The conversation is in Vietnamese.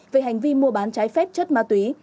về hành vi mua bán trái phép chất ma túy